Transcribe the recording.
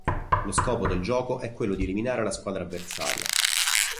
Lo scopo del gioco è quello di eliminare la squadra avversaria.